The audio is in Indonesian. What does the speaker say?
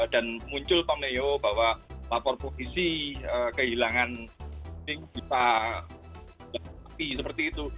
dan muncul pak neo bahwa lapor kondisi kehilangan pimpinan bisa ditanggapi seperti itu